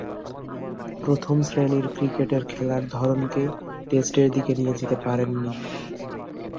প্রথম-শ্রেণীর ক্রিকেটের খেলার ধরনকে টেস্টের দিকে নিয়ে যেতে পারেননি।